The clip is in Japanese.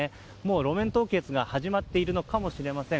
路面凍結が始まっているのかもしれません。